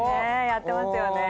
やってますよね。